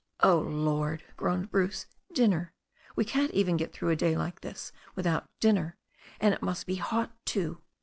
"Oh, Lord!" groaned Bruce. "Dinner! We can't even get through a day like this without dinner. And it must be hot too."